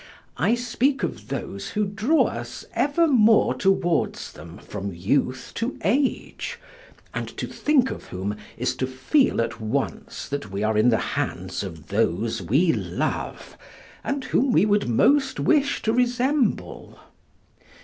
I speak of those who draw us ever more towards them from youth to age, and to think of whom is to feel at once that we are in the hands of those we love, and whom we would most wish to resemble.